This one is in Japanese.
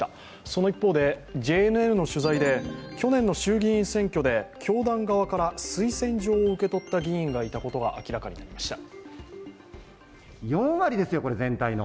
その一方でＪＮＮの取材で去年の衆議院選挙で教団側から推薦状を受け取った議員がいたことが明らかになりました。